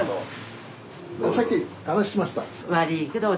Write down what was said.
さっき話しました。